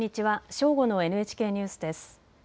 正午のＮＨＫニュースです。